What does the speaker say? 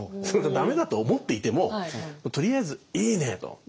それがダメだと思っていてもとりあえずいいねと。